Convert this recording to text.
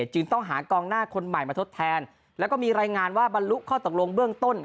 จึงต้องหากองหน้าคนใหม่มาทดแทนแล้วก็มีรายงานว่าบรรลุข้อตกลงเบื้องต้น